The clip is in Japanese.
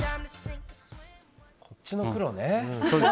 こっちの黒ね。